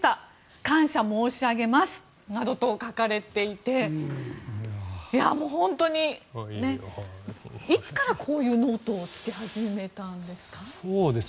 感謝申し上げますなどと書かれていていつからこういうノートをつけ始めたのですか？